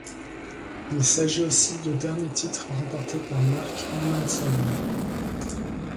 Il s'agit aussi du dernier titre remporté par Mark Edmondson.